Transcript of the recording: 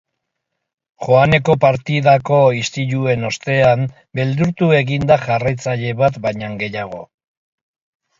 Joaneko partidako istiluen ostean beldurtu egin da jarraitzaile bat baino gehiago.